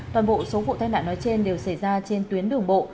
toàn bộ số vụ tai nạn nói trên đều xảy ra trên tuyến đường bộ